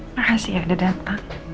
makasih ya udah datang